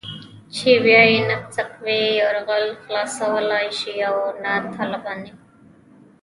چې بيا يې نه سقوي يرغل خلاصولای شي او نه طالباني.